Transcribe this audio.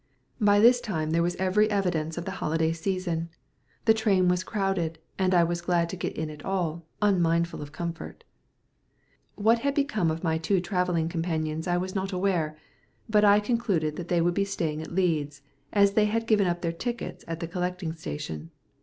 By this time there was every evidence of the holiday season. The train was crowded, and I was glad to get in at all, unmindful of comfort. What had become of my two travelling companions I was not aware, but concluded that they would be staying at Leeds, as they had given up their tickets at the collecting station.